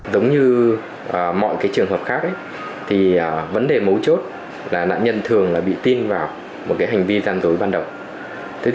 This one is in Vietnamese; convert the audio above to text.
giống như mọi trường hợp khác thì vấn đề mấu chốt là nạn nhân thường bị tin vào một hành vi gian dối ban đầu